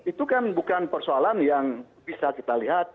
itu kan bukan persoalan yang bisa kita lihat